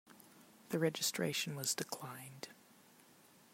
The registration was declined.